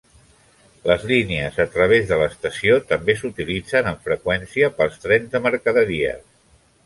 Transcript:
Les línies a través de l'estació també s'utilitzen amb freqüència pels trens de mercaderies.